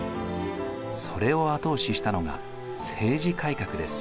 それを後押ししたのが政治改革です。